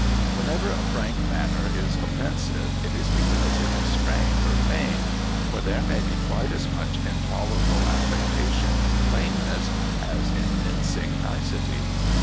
' Whenever a frank manner is offensive, it is because it is strained or feigned ; for there may be quite as much intolerable affectation in plainness as in mincing nicety.